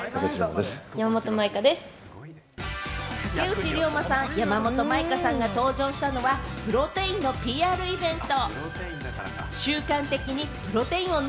竹内涼真さん、山本舞香さんが登場したのはプロテインのＰＲイベント。